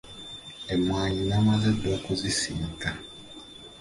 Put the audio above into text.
Emmwaanyi namaze dda okuzisiika.